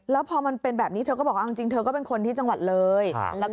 แล้วพอมันเป็นแบบนี้เธอก็บอกว่าเอาจริงเธอก็เป็นคนที่จังหวัดเลย